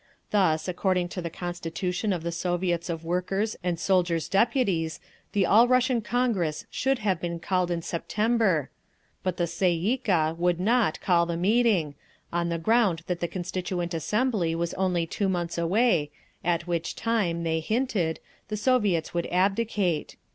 Thus, according to the constitution of the Soviets of Workers' and Soldiers' Deputies, the All Russian Congress should have been called in September; but the Tsay ee kah would not call the meeting, on the ground that the Constituent Assembly was only two months away, at which time, they hinted, the Soviets would abdicate.